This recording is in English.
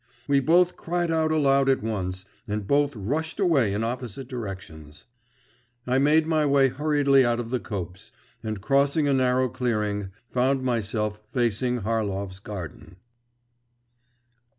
We both cried out aloud at once, and both rushed away in opposite directions. I made my way hurriedly out of the copse, and crossing a narrow clearing, found myself facing Harlov's garden.